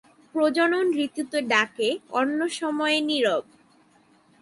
প্রজনন ঋতুতে ডাকে, অন্য সময় নীরব।